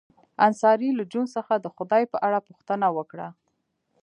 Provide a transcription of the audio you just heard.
انصاري له جون څخه د خدای په اړه پوښتنه وکړه